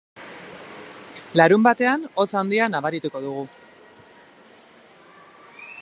Larunbatean, hotz handia nabarituko dugu.